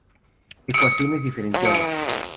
Ecuaciones diferenciales.